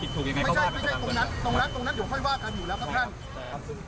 ไม่ใช่ไม่ใช่ตรงนั้นตรงนั้นเดี๋ยวค่อยว่ากันอยู่แล้วครับท่าน